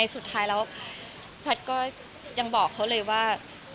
สุดท้ายแพทย์ก็บอกเขาเลยว่า